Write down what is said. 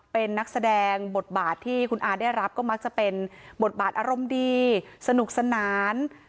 เป็นนักแสดงบทบาทที่คุณอาได้รับก็มักจะเป็นบทบาทอารมณ์ดีสนุกสนาน